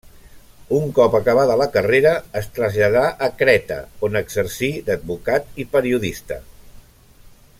Un cop acabada la carrera es traslladà a Creta on exercí d'advocat i periodista.